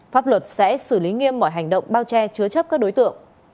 pháp luật sẽ xử lý nghiêm mọi hành động bao che chứa chấp các đối tượng